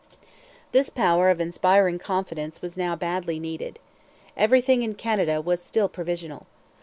This power of inspiring confidence was now badly needed. Everything in Canada was still provisional.